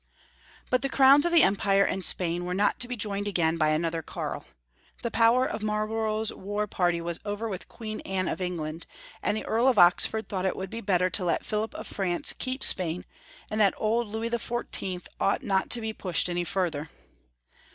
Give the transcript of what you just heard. But the crowns of the Empire and of Spain were not to be joined again by another Karl. The power of Marlborough's war party was over with Queen Anne of England, and the Earl of Oxford thought it would be better to let Philip of France keep Spain, and that old Louis XIV. ought not to be pushed any further.